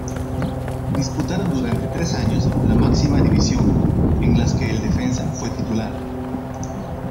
Disputaron durante tres años la máxima división, en las que el defensa fue titular.